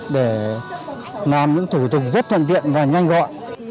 để làm những thủ tục rất thông tiện và nhanh gọi